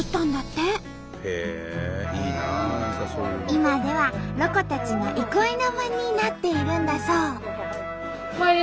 今ではロコたちの憩いの場になっているんだそう。